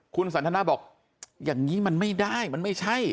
คุณสันทนาบอกอย่างนี้มันไม่ได้มันไม่ใช่